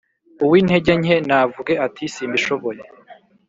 Uw’intege nke navuge ati simbishoboye